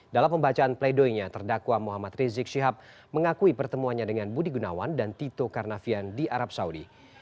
dalam pembacaan pledoinya terdakwa muhammad rizik syihab mengakui pertemuannya dengan budi gunawan dan tito karnavian di arab saudi